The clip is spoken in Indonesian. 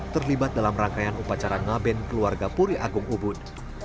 terlibat dalam rangkaian upacara ngaben keluarga puri agung ubud